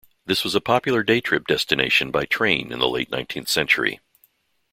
This was a popular day trip destination by train in the late nineteenth century.